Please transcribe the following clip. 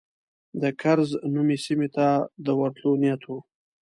د کرز نومي سیمې ته د ورتلو نیت و.